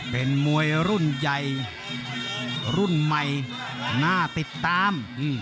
เป็นมวยรุ่นใหญ่รุ่นใหม่น่าติดตาม